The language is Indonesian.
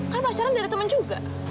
kan pacaran dari temen juga